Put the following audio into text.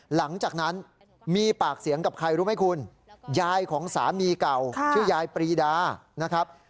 หลังจากนั้นมีปากเสียงกับใครรู้ไหมคุณยายของสามีเก่าชื่อยายปรีดานะครับ